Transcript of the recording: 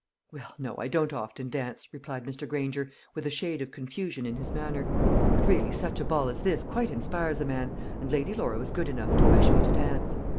"Well, no, I don't often dance," replied Mr. Granger, with a shade of confusion in his manner; "but really, such a ball as this quite inspires a man and Lady Laura was good enough to wish me to dance."